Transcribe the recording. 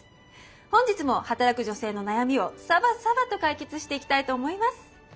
本日も働く女性の悩みをサバサバと解決していきたいと思います。